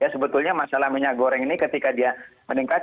sebetulnya masalah minyak goreng ini ketika dia meningkat